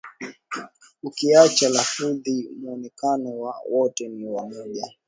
Ukiacha lafudhi muonekano wao wote ni wamoja